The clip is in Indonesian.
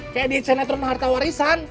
kayak di cnat rumah harta warisan